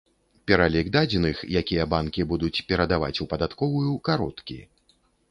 Пералік дадзеных, якія банкі будуць перадаваць у падатковую, кароткі.